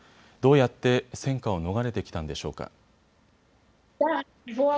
どうやって戦禍を逃れてきたんでしょうか。